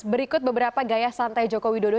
berikut beberapa gaya santai jokowi dodo